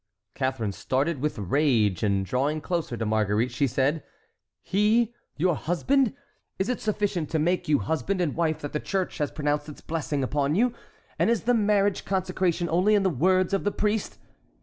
Catharine started with rage, and drawing closer to Marguerite she said: "He, your husband? Is it sufficient to make you husband and wife that the Church has pronounced its blessing upon you? And is the marriage consecration only in the words of the priest?